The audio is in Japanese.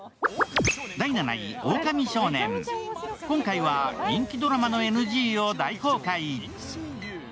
今回は人気ドラマのＮＧを大公開。